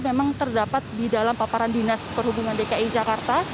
memang terdapat di dalam paparan dinas perhubungan dki jakarta